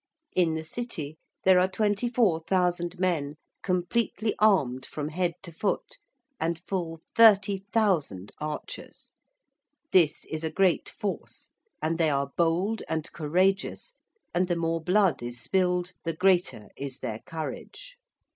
In the City there are 24,000 men completely armed from head to foot and full 30,000 archers. This is a great force and they are bold and courageous, and the more blood is spilled, the greater is their courage.'